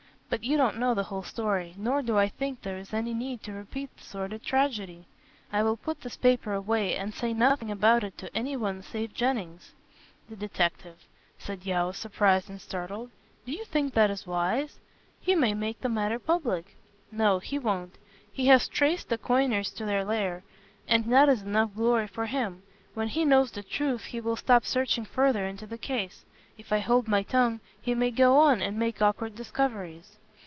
But you don't know the whole story, nor do I think there is any need to repeat the sordid tragedy. I will put this paper away and say nothing about it to anyone save to Jennings." "The detective!" said Yeo, surprised and startled. "Do you think that is wise? He may make the matter public." "No, he won't. He has traced the coiners to their lair, and that is enough glory for him. When he knows the truth he will stop searching further into the case. If I hold my tongue, he may go on, and make awkward discoveries."